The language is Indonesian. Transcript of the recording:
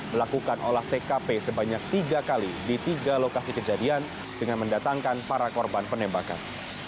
melakukan olah tkp sebanyak tiga kali di tiga lokasi kejadian dengan mendatangkan para korban penembakan